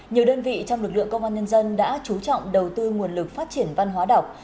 nhiều đơn vị trong lực lượng công an nhân dân đã trú trọng đầu tư nguồn lực phát triển văn hóa đọc